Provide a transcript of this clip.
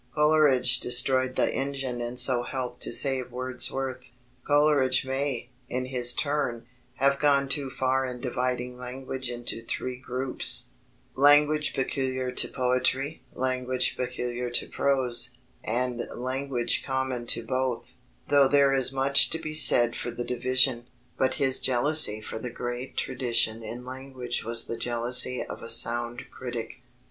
Coleridge destroyed the engine and so helped to save Wordsworth. Coleridge may, in his turn, have gone too far in dividing language into three groups language peculiar to poetry, language peculiar to prose, and language common to both, though there is much to be said for the division; but his jealousy for the great tradition in language was the jealousy of a sound critic.